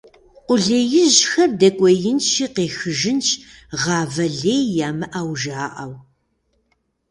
Къулеижьхэр дэкӀуеинщи къехыжынщ, гъавэ лей ямыӀэу жаӀэу.